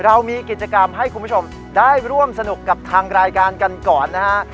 เรามีกิจกรรมให้คุณผู้ชมได้ร่วมสนุกกับทางรายการกันก่อนนะฮะ